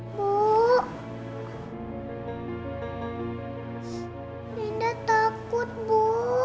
bu ninda takut bu